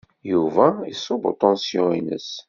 Yuba iṣubb uṭansyu-ines.